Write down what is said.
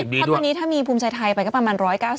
เพราะตอนนี้ถ้ามีภูมิใจไทยไปก็ประมาณ๑๙๐